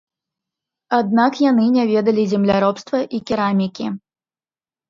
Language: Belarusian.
Аднак яны не ведалі земляробства і керамікі.